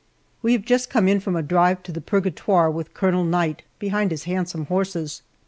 WE have just come in from a drive to the Purgatoire with Colonel Knight behind his handsome horses.